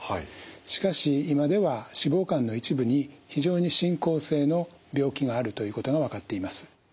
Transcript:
しかし今では脂肪肝の一部に非常に進行性の病気があるということが分かっています。